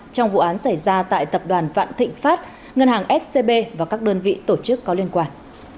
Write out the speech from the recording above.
trong vụ án xảy ra tại tập đoàn vạn thịnh pháp ngân hàng scb và các đơn vị tổ chức có liên quan